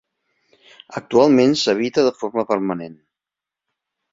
Actualment s'habita de forma permanent.